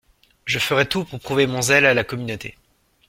Je ferai tout pour prouver mon zèle à la communauté.